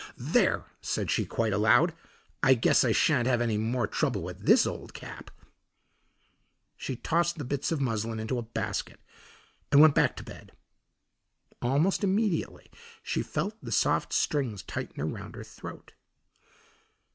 "There!" said she quite aloud. "I guess I sha'n't have any more trouble with this old cap." She tossed the bits of muslin into a basket and went back to bed. Almost immediately she felt the soft strings tighten around her throat.